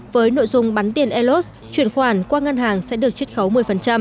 với nội dung bắn tiền elos chuyển khoản qua ngân hàng sẽ được chích khấu một mươi